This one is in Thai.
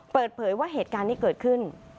เปิดเผยว่าเหตุการณ์ที่เกิดขึ้น